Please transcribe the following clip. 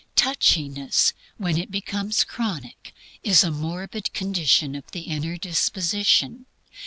Touchiness, when it becomes chronic, is a morbid condition of the inward disposition.